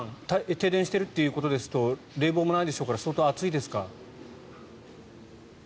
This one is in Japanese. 停電しているということですと冷房もないでしょうから相当暑いですか？